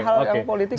itu hal yang politik